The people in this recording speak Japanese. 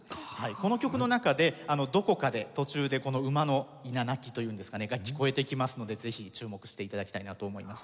この曲の中でどこかで途中でこの馬のいななきというんですかね聴こえてきますのでぜひ注目して頂きたいなと思います。